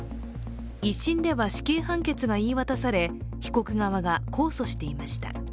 １審では死刑判決が言い渡され被告側が控訴していました。